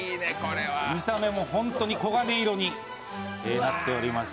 見た目も、ホントに黄金色になっております。